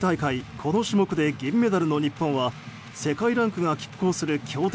この種目で銀メダルの日本は世界ランクが拮抗する強敵